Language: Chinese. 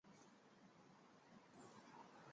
她生了最小的女儿